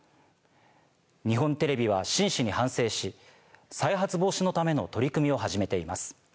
日本テレビは真摯に反省し再発防止のための取り組みを始めています。